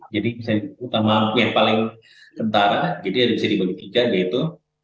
jadi bisa diutamakan yang paling kentara jadi bisa dibagi ke tiga yaitu